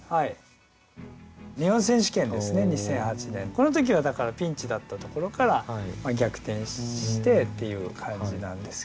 この時はだからピンチだったところから逆転してっていう感じなんですけど。